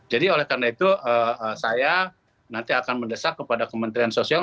jadi oleh karena itu saya nanti akan mendesak kepada kementerian sosial